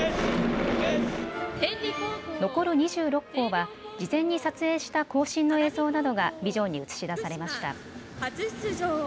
残る２６校は事前に撮影した行進の映像などがビジョンに映し出されました。